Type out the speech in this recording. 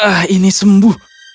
ah ini sembuh